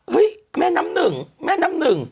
แม่น้ำหนึ่งแม่น้ำหนึ่ง